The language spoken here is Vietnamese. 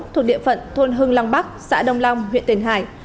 thuộc địa phận thôn hưng long bắc xã đông long huyện tiền hải